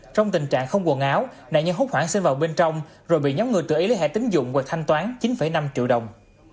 trong tình trạng không quần áo nạn nhân hút khoản sinh vào bên trong rồi bị nhóm người tự ý lấy hệ tính dụng hoặc thanh toán chín năm triệu đồng